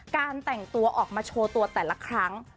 การแต่งตัวออกมาโชว์ตัวแต่ละครั้ง